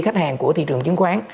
khách hàng của thị trường chứng khoán